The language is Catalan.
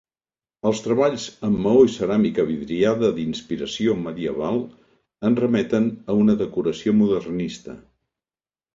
Els treballs amb maó i ceràmica vidriada d'inspiració medieval ens remeten a una decoració modernista.